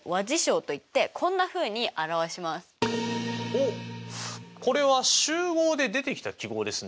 おっこれは集合で出てきた記号ですね。